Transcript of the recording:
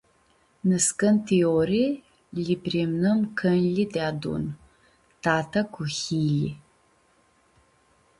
Nãscãnti ori lji-priimnãm cãnjlji deadun, tata cu hilji.